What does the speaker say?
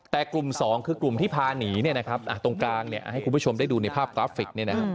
แต่กลุ่ม๒คือกลุ่มที่พาหนีตรงกลางให้คุณผู้ชมได้ดูในภาพกราฟิก